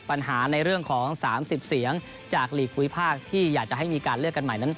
ปัญหาในเรื่องของ๓๐เสียงจากหลีกภูมิภาคที่อยากจะให้มีการเลือกกันใหม่นั้น